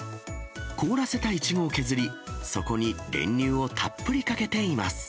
凍らせたイチゴを削り、そこに練乳をたっぷりかけています。